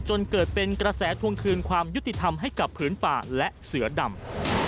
จนเกิดเป็นกระแสทวงคืนความยุติธรรมให้กับพื้นป่าและเสือดำ